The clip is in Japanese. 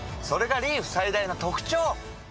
それがリーフ最大の特長！